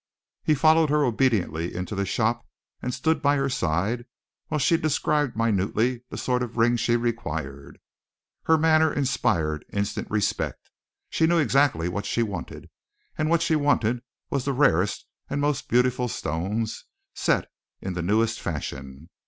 He followed her obediently into the shop, and stood by her side while she described minutely the sort of ring she required. Her manner inspired instant respect. She knew exactly what she wanted, and what she wanted was the rarest and most beautiful stones, set in the newest fashion.